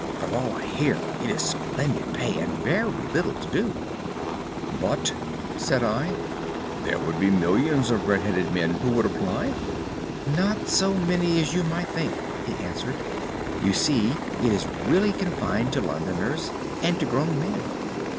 From all I hear it is splendid pay and very little to do.' "'But,' said I, 'there would be millions of red headed men who would apply.' "'Not so many as you might think,' he answered. 'You see it is really confined to Londoners, and to grown men.